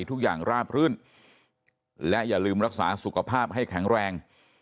ทุกอย่างราบรื่นและอย่าลืมรักษาสุขภาพให้แข็งแรง